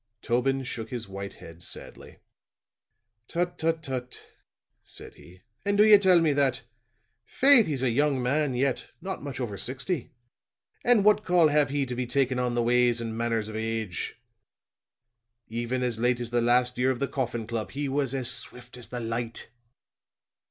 Tobin shook his white head sadly. "Tut, tut, tut," said he. "And do you tell me that! Faith, he's a young man yet not much over sixty and what call have he to be takin' on the ways and manners of age? Even as late as the last year of the Coffin Club he was as swift as the light."